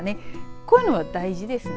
こういうのは大事ですね。